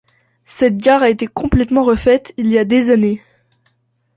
Cette gare a été complètement refaite il y a des années.